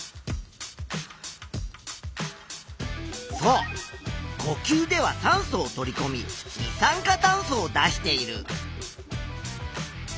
そうこきゅうでは酸素を取りこみ二酸化炭素を出している。